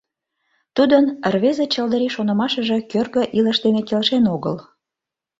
Тудын рвезе чылдырий шонымашыже кӧргӧ илыш дене келшен огыл.